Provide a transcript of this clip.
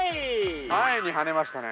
◆前に跳ねましたね。